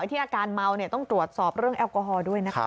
ที่อาการเมาต้องตรวจสอบเรื่องแอลกอฮอลด้วยนะครับ